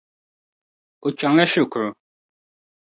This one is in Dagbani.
O chaŋ la shikuru.